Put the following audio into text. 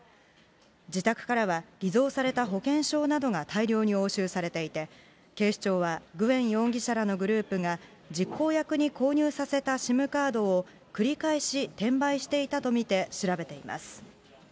自宅からは、偽造された保険証などが大量に押収されていて、警視庁はグエン容疑者らのグループが、実行役に購入させたＳＩＭカードを、繰り返し転売していたと見て、調べています。